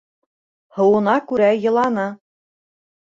Һыуына күрә йыланы